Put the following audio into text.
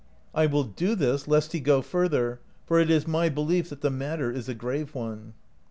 I will do this, lest he go further, for it is my belief that the matter is a grave one."